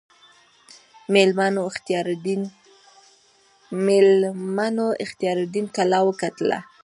میلمنو اختیاردین کلا وکتله.